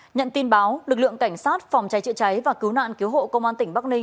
nhận tin báo lực lượng cảnh sát phòng cháy chữa cháy và cứu nạn cứu hộ công an tỉnh bắc ninh